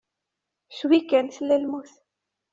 Cwi kan tella lmut.